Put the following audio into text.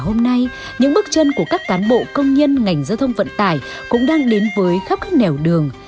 hôm nay những bước chân của các cán bộ công nhân ngành giao thông vận tải cũng đang đến với khắp các nẻo đường